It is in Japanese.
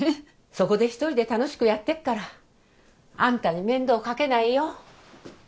そこで一人で楽しくやってくからあんたに面倒かけないよ。